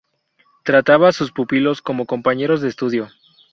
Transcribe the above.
Trataba a sus pupilos como compañeros de estudio.